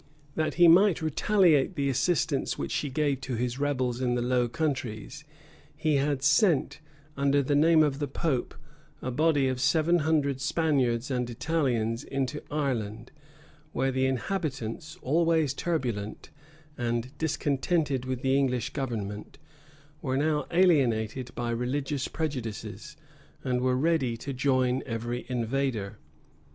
That he might retaliate the assistance which she gave to his rebels in the Low Countries, he had sent, under the name of the pope; a body of seven hundred Spaniards and Italians into Ireland; where the inhabitants, always turbulent, and discontented with the English government, were now more alienated by religious prejudices, and were ready to join every invader.